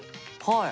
はい！